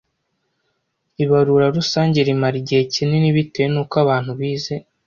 ibarura rusange rimara igihe kinini bitewe nuko abantu bize